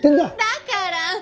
だから！